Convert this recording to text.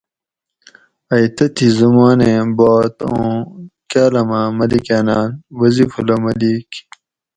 ائی تتھی زُمانیں بات اُوں کالاۤماۤں ملیکاۤناۤن وظیف اللّہ ملیک